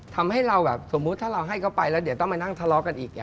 ทำให้เราแบบสมมุติถ้าเราให้เขาไปแล้วเดี๋ยวต้องมานั่งทะเลาะกันอีก